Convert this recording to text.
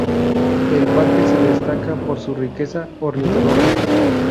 El parque se destaca por su riqueza ornitológica.